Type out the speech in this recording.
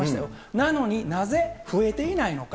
なのになぜ増えていないのか。